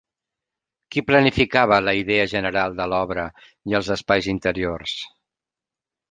Qui planificava la idea general de l'obra i els espais interiors?